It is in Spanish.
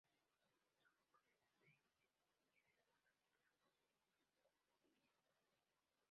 La esposa de Southey, Edith, era hermana de la de Coleridge.